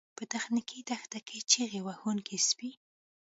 په تخنیکي دښته کې چیغې وهونکي سپي